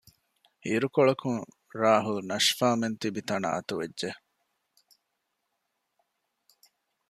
އިރުކޮޅަކުން ރާހުލް ނަޝްފާމެން ތިބި ތަނަށް އަތުވެއްޖެ